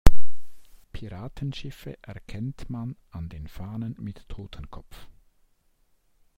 Piratenschiffe erkennt man an den Fahnen mit Totenkopf.